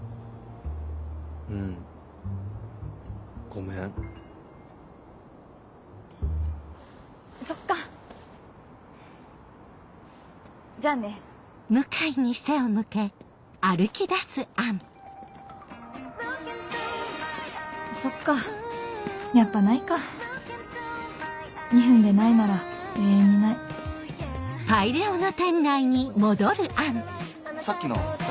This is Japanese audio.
うんごめんそっかそっかやっぱないか２分でないなら永遠にないさっきの誰？